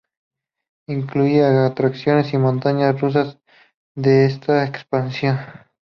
Incluye atracciones y montañas rusas de esta expansión.